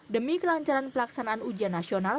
demi kelancaran pelaksanaan ujian nasional